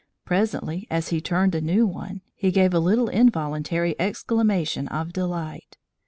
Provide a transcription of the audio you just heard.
Presently, as he turned a new one, he gave a little involuntary exclamation of delight.